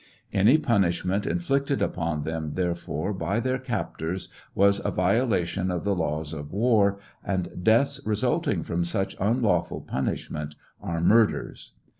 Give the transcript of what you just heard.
Any punishment inflicted upon them, therefore, by their captors was a violation of the laws of war, and deaths resulting from such unlawful punishment are murders.